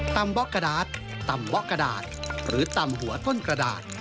เบาะกระดาษตำเบาะกระดาษหรือตำหัวต้นกระดาษ